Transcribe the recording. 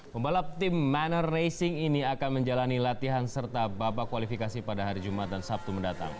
pembalap tim manor racing ini akan menjalani latihan serta babak kualifikasi pada hari jumat dan sabtu mendatang